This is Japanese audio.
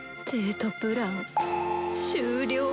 デートプラン終了。